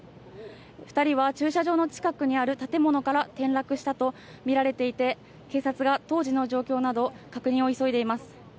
２人は駐車場の近くにある建物から転落したと見られていて、警察が、当時の状況など、確認を急いでいます。